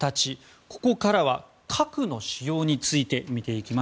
ここからは核の使用について見ていきます。